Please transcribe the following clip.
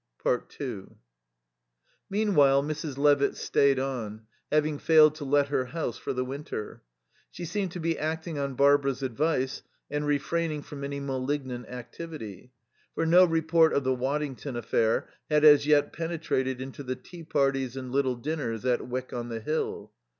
2 Meanwhile Mrs. Levitt stayed on, having failed to let her house for the winter. She seemed to be acting on Barbara's advice and refraining from any malignant activity; for no report of the Waddington affair had as yet penetrated into the tea parties and little dinners at Wyck on the Hill.